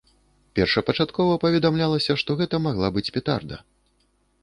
Першапачаткова паведамлялася, што гэта магла быць петарда.